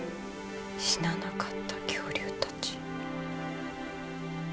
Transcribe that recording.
死ななかった恐竜たち。